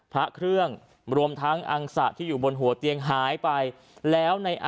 พระเครื่องรวมทั้งอังสะที่อยู่บนหัวเตียงหายไปแล้วใน